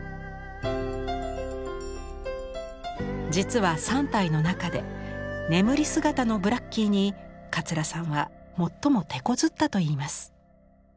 実は３体の中で眠り姿のブラッキーに桂さんは最もてこずったといいます。